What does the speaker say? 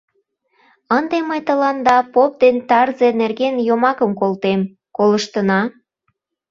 — Ынде мый тыланда поп ден тарзе нерген йомакым колтем?» — «Колыштына!